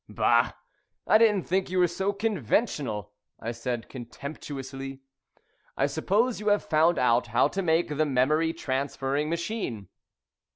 "Bah! I didn't think you were so conventional," I said contemptuously. "I suppose you have found out how to make the memory transferring machine?"